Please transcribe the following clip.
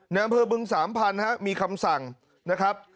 นามเพอร์บึงสามพันธุ์ฮะมีคำสั่งนะครับ